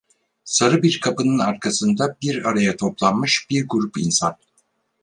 Sarı bir kapının arkasında bir araya toplanmış bir grup insan.